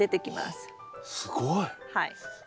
はい。